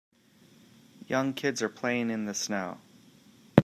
Young kids are playing in the snow.